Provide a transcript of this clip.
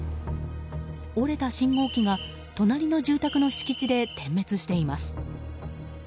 折れた信号機が隣の住宅の敷地で点滅しています。